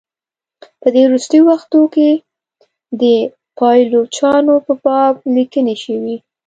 په دې وروستیو وختونو کې د پایلوچانو په باب لیکني شوي.